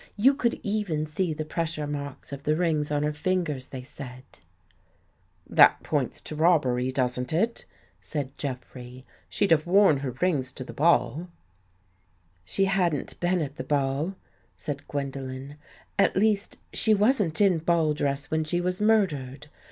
"You could evr see the larks of the rings on her finger they sai "Th ) robbery, doesn't it? " said Je rey. " She'd have worn her rings to the ball." " She hadn't been at the ball," said Gwendole "At least, she wasn't in ball dress when she W' murdered.